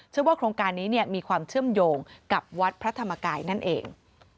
ว่าโครงการนี้มีความเชื่อมโยงกับวัดพระธรรมกายนั่นเอง